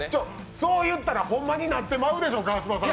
そう言ったらほんまになっちゃうでしょ、川島さん！